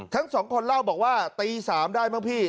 ทั้งสองคนเล่าบอกว่าตี๓ได้มั้งพี่